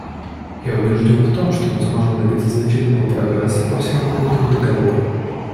Я убежден в том, что мы сможем добиться значительного прогресса по всем пунктам договора.